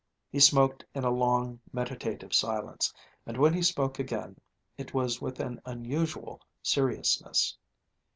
He smoked in a long, meditative silence, and when he spoke again it was with an unusual seriousness.